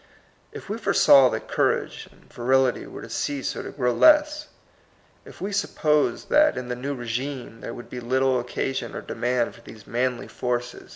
If we foresaw that courage and virility were to cease or to grow less, if we supposed that in the new rigime there would be little occasion or demand for these manly forces, THE IRON IN THE BLOOD.